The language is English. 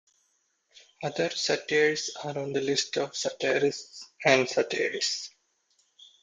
Other satires are on the list of satirists and satires.